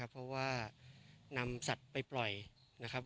เพราะว่านำสัตว์ไปปล่อยนะครับ